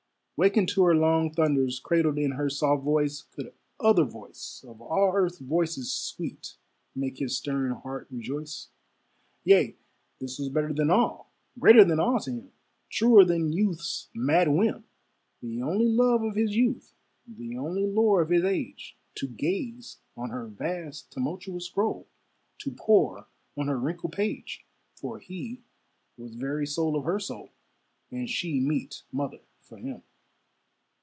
Wakened to her long thunders, Cradled in her soft voice, Could other voice of all earth's voices sweet Make his stern heart rejoice? Yea, this was better than all, greater than all to him, Truer than youth's mad whim, The only love of his youth, the only lore of his age, To gaze on her vast tumultuous scroll, To pore on her wrinkled page: For he was very soul of her soul, And she meet mother for him.